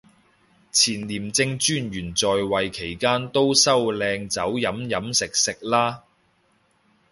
前廉政專員在位期間都收靚酒飲飲食食啦